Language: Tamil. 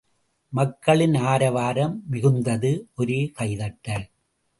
மக்களின் ஆரவாரம் மிகுந்தது ஒரே கைதட்டல்.